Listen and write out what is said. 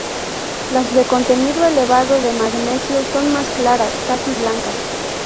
Las de contenido elevado de magnesio son más claras, casi blancas.